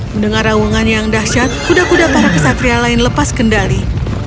mendengar rawangan yang dahsyat kuda kuda para kesatria lain lepas kendali